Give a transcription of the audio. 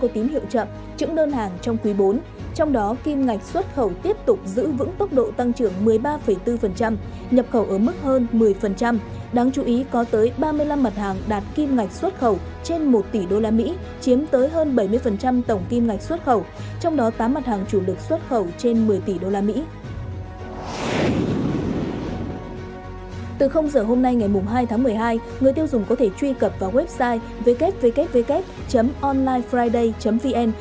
từ giờ hôm nay ngày hai tháng một mươi hai người tiêu dùng có thể truy cập vào website www onlinefriday vn